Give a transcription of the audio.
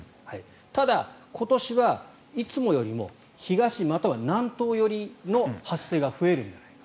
ただ、今年はいつもよりも東、または南東寄りの発生が増えるんじゃないか。